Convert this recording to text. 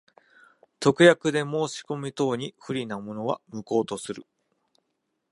特約で申込者等に不利なものは、無効とする。